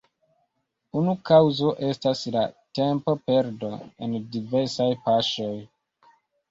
Unu kaŭzo estas la tempoperdo en diversaj paŝoj.